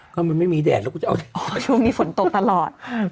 ก็มันไม่มีแดดแล้วกูจะเอาอ๋อช่วงนี้ฝนตกตลอดอืม